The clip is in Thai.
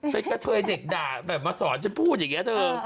ไปกระเทยเด็กด่าแบบมาสอนฉันพูดอย่างนี้เธอ